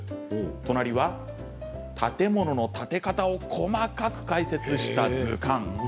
隣は建物の建て方を細かく解説した図鑑。